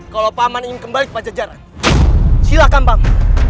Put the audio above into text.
kalau paman ingin kembali ke pajajaran silahkan bang